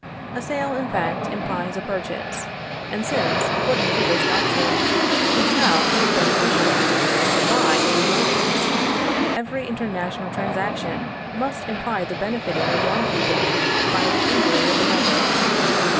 A sale in fact implies a purchase, and since, according to this doctrine, to sell is beneficial, and to buy injurious, every international transaction must imply the benefiting of one people by the injuring of another.